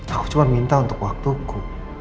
aku cuma minta untuk waktuku